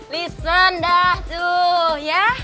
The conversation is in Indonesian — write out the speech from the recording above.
listen dah tuh ya